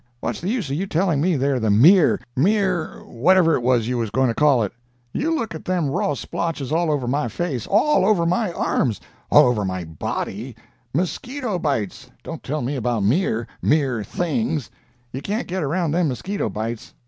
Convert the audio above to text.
What's the use of you telling me they're the mere—mere—whatever it was you was going to call it? You look at them raw splotches all over my face—all over my arms—all over my body! Mosquito bites! Don't tell me about mere—mere things! You can't get around them mosquito bites.